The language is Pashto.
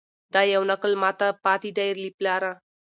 دا یو نکل ماته پاته دی له پلاره